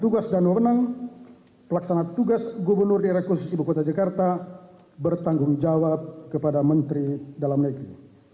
tugas dan wewenang pelaksana tugas gubernur daerah khusus ibu kota jakarta bertanggung jawab kepada menteri dalam negeri